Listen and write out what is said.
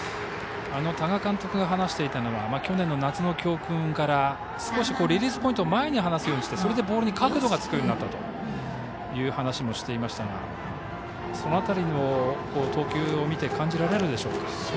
多賀監督が話していたのは去年の夏の教訓から少しリリースポイントを前で離すようにしてそれでボールに角度がつくようになったという話もしていましたがその辺り、投球を見て感じられるでしょうか。